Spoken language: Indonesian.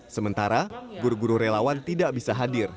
sementara guru guru relawan tidak bisa hadir